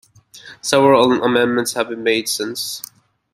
Several amendments have been made since.